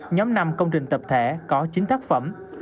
nhóm năm công trình tập thể có chín tác phẩm